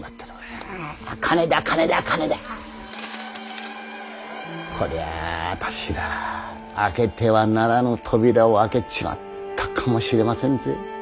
こりゃあたしら開けてはならぬ扉を開けちまったかもしれませんぜ。